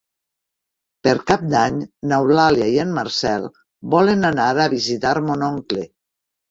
Per Cap d'Any n'Eulàlia i en Marcel volen anar a visitar mon oncle.